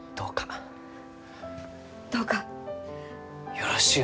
よろしゅう